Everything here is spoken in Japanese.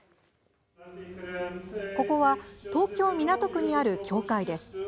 ここは東京・港区にある教会です。